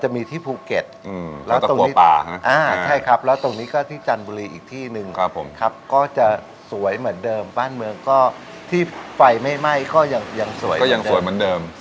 มีที่ภูเก็ตแล้วตรงนี้ก็ที่จันทบุรีอีกที่นึงครับผมครับก็จะสวยเหมือนเดิมบ้านเมืองก็ที่ไฟไม่ไหม้ก็ยังสวยเหมือนเดิม